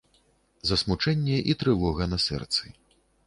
Засмучэнне і трывога на сэрцы.